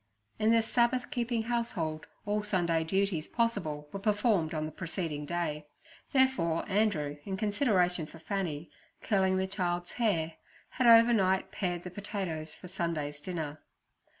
In this Sabbath keeping household all Sunday duties possible were performed on the preceding day; therefore Andrew, in consideration for Fanny curling the child's hair, had overnight pared the potatoes for Sunday's dinner.